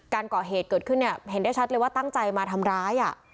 ก่อเหตุเกิดขึ้นเนี่ยเห็นได้ชัดเลยว่าตั้งใจมาทำร้าย